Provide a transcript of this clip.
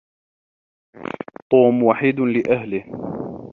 توم وحيد لأهله.